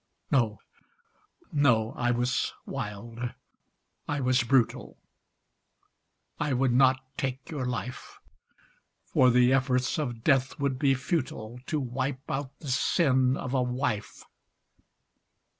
No, no, I was wild, I was brutal; I would not take your life, For the efforts of death would be futile To wipe out the sin of a wife.